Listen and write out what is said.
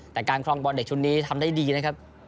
แต่การครองบอลเด็กชุดนี้ทำได้ดีนะครับ